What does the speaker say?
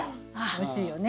おいしいよね。